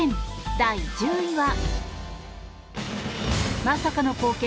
第１０位は。